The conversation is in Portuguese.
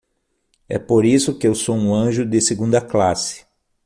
É por isso que eu sou um anjo de segunda classe.